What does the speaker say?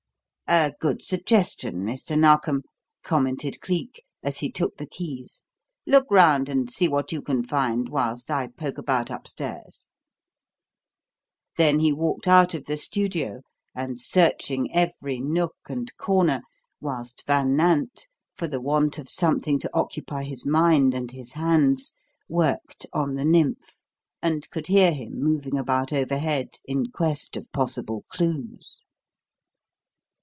"A good suggestion, Mr. Narkom," commented Cleek, as he took the keys. "Look round and see what you can find whilst I poke about upstairs." Then he walked out of the studio and searching every nook and corner, whilst Van Nant, for the want of something to occupy his mind and his hands, worked on the nymph, and could hear him moving about overhead in quest of possible clues.